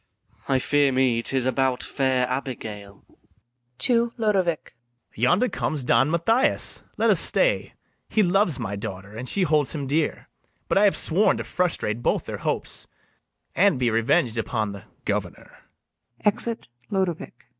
I fear me 'tis about fair Abigail. [Aside.] BARABAS. [to LODOWICK.] Yonder comes Don Mathias; let us stay: He loves my daughter, and she holds him dear; But I have sworn to frustrate both their hopes, And be reveng'd upon the governor.